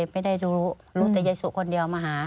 ไม่ได้รู้รู้แต่ยายสุคนเดียวมาหา